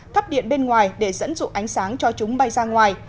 thắp điện bên ngoài để dẫn dụ ánh sáng cho chúng bay ra ngoài